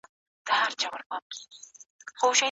اوس به دې خپل وي آینده به ستا وي